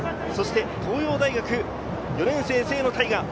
東洋大学は４年生の清野太雅。